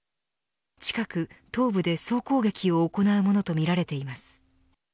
近く東部で総攻撃を行うものとみられています。